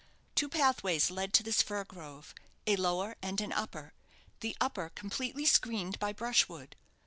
Two pathways led to this fir grove a lower and an upper the upper completely screened by brushwood.